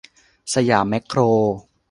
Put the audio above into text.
สยามแม็คโคร